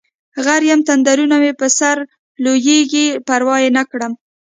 غر یم تندرونه مې په سرلویږي پروا یې نکړم